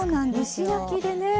蒸し焼きでね。